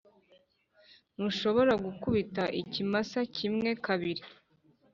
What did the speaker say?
ntushobora gukubita ikimasa kimwe kabiri.